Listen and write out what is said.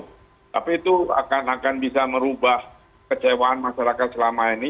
tapi itu akan bisa merubah kecewaan masyarakat selama ini